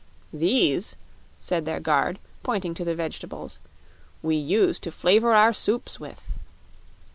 "These," said their guard, pointing to the vegetables, "we use to flavor our soups with."